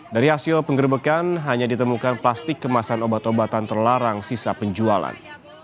dari hasil penggerbekan hanya ditemukan plastik kemasan obat obatan terlarang sisa penjualan